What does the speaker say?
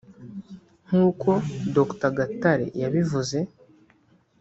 nk’uko Dr Gatare yabivuze